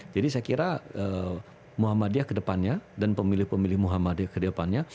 jadi saya kira muhammadiyah kedepannya dan pemilih pemilih muhammadiyah kedepannya